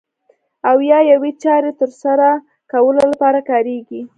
او یا یوې چارې ترسره کولو لپاره کاریږي.